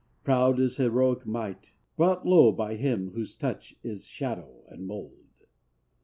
Proud as heroic might, Brought low by him whose touch is shadow and mold.